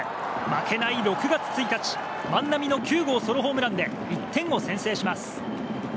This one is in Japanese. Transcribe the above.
負けない６月１日万波の９号ソロホームランで１点を先制します。